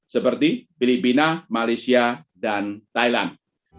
seperti filipina malaysia dan thailand